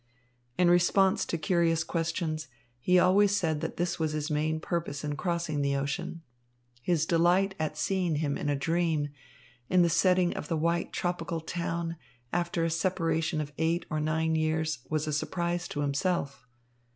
In response to curious questions, he always said that this was his main purpose in crossing the ocean. His delight at seeing him in a dream, in the setting of the white tropical town, after a separation of eight or nine years, was a surprise to himself.